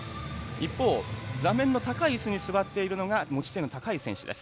一方、座面の高いいすに座っているのが持ち点の高い選手です。